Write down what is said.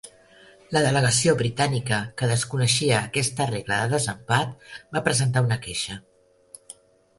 La delegació britànica, que desconeixia aquesta regla de desempat, va presentar una queixa.